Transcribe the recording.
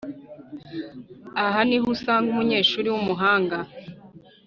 Aha ni ho usanga umunyeshuri w’umuhanga